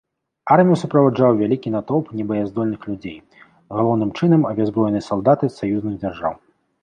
Армію суправаджаў вялікі натоўп небаяздольных людзей, галоўнай чынам абяззброеныя салдаты з саюзных дзяржаў.